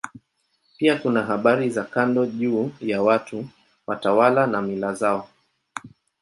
Pia kuna habari za kando juu ya watu, watawala na mila zao.